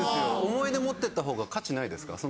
思い出持ってった方が価値ないですか？